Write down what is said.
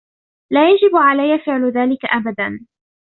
لا يَجِبُ عَليَّ فِعلُ ذلِك أَبَداً